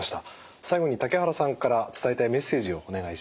最後に竹原さんから伝えたいメッセージをお願いします。